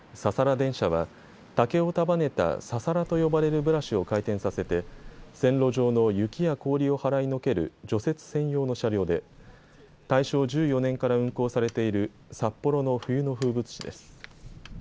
電車は竹を束ねたササラと呼ばれるブラシを回転させて線路上の雪や氷を払いのける除雪専用の車両で大正１４年から運行されている札幌の冬の風物詩です。